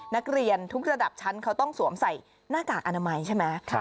นักเรียนทุกระดับชั้นเขาต้องสวมใส่หน้ากากอนามัยใช่ไหม